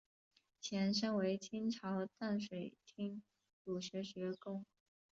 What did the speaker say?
前身为清朝淡水厅儒学学宫。